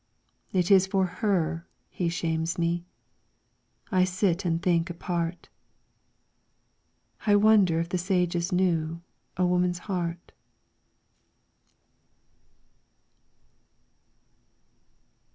It is for her he shames me. I sit and think apart. I wonder if the Sages knew A woman"'s heart.